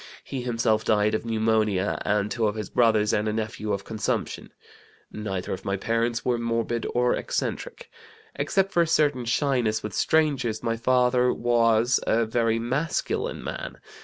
He himself died of pneumonia, and two of his brothers and a nephew of consumption. Neither of my parents were morbid or eccentric. Excepting for a certain shyness with strangers, my father was a very masculine man.